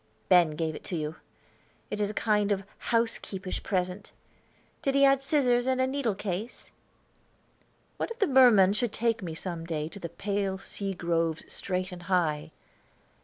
"Tut, Ben gave it to you. It is a kind of housekeepish present; did he add scissors and needle case?" "What if the merman should take me some day to the 'pale sea groves straight and high?'"